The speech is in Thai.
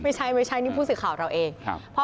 ไม่ใช่นี่ผู้สื่อข่าวเราเองครับ